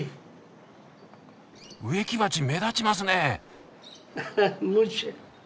植木鉢目立ちますね！